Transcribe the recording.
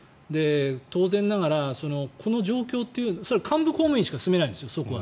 当然ながらこの状況という幹部公務員しかそこは住めないんですよ。